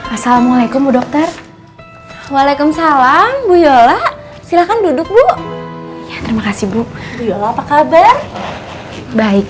assalamualaikum dokter waalaikumsalam bu yola silakan duduk bu terima kasih bu apa kabar baik